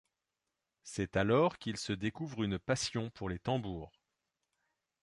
C'est alors qu'il se découvre une passion pour les tambours.